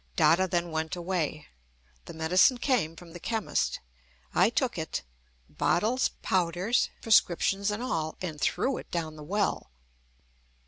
Dada then went away. The medicine came from chemist. I took it bottles, powders, prescriptions and all and threw it down the well!